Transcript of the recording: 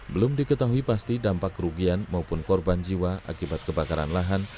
belum diketahui pasti dampak kerugian maupun korban jiwa akibat kebakaran lahan